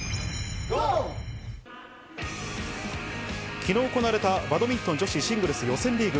昨日行われたバドミントン女子シングルス予選リーグ。